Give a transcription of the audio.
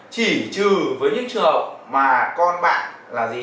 chỉ trừ với những trường hợp mà con bạn là gì